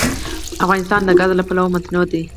افغانستان د ګاز له پلوه متنوع دی.